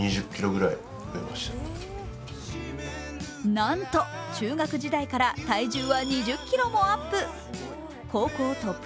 なんと中学時代から体重は２０ｋｇもアップ。